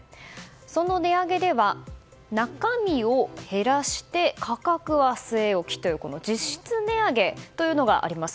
その値上げでは、中身を減らして価格は据え置きという実質値上げというのがあります。